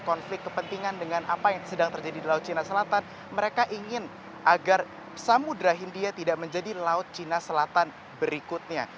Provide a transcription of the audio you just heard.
kemudrahin dia tidak menjadi laut cina selatan berikutnya